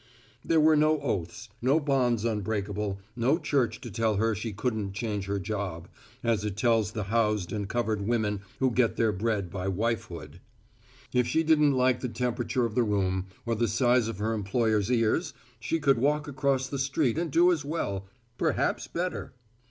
There were no oaths, no bonds unbreakable, no church to tell her she couldn't change her job, as it tells the housed and covered women who get their bread by wifehood. If she didn't like the temperature of the room, or the size of her employer's ears, she could walk across the street and do as well perhaps better.